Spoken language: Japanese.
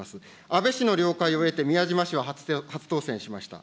安倍氏の了解を得て、宮島氏は初当選しました。